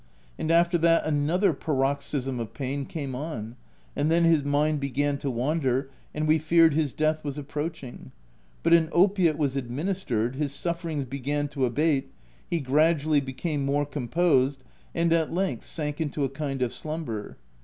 And after that another paroxysm of pain came on ; and then his mind began to wander, and we feared his death was approaching ; but an opiate was administered, his sufferings began to abate, he gradually became more composed, and at length sank into a kind of slumber.